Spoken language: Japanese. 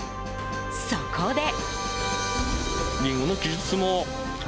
そこで。